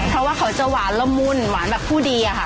เพราะว่าเขาจะหวานละมุ่นหวานแบบผู้ดีอะค่ะ